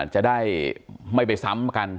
จะได้ไม่ไปซ้ำกัน